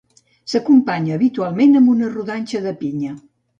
S'acompanya habitualment amb una rodanxa de pinya.